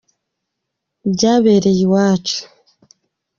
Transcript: byabereye iwacu.